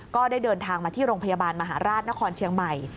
ก็ได้เดินทางมาที่โรงพยาบาลมหาราชนครเชียงใหม่